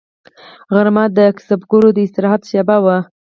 غرمه د کسبګرو د استراحت شیبه ده